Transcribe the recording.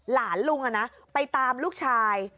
หลานลุงไปตามลูกชาย